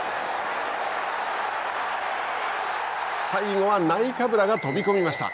最後はナイカブラが飛び込みました。